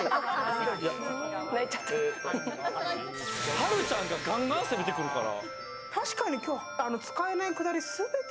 はるちゃんがガンガン攻めてくるから。